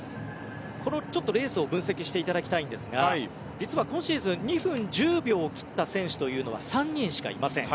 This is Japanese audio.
このレースを分析していただきたいんですが実は今シーズン２分１０秒を切った選手というのは３人しかいません。